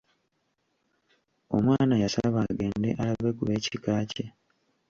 Omwana yasaba agende alabe ku b'ekika kye.